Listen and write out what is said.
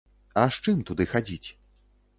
А з чым туды хадзіць?